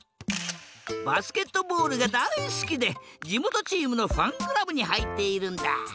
バスケットボールがだいすきでじもとチームのファンクラブにはいっているんだ。